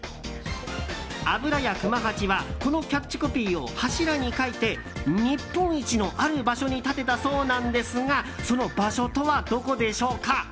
油屋熊八はこのキャッチコピーを柱に書いて日本一のある場所に立てたそうなんですがその場所とはどこでしょうか？